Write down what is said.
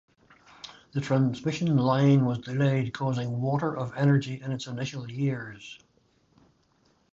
The transmission line was delayed causing water of energy in its initial years.